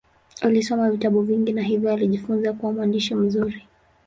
Alisoma vitabu vingi na hivyo alijifunza kuwa mwandishi mzuri.